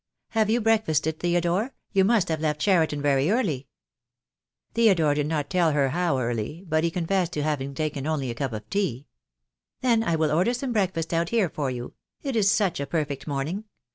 "Have you breakfasted, Theodore? You must have left Cheriton very early." Theodore did not tell her how early, but he con fessed to having taken only a cup of tea. "Then I will order some breakfast out here for you. It is such a perfect morning.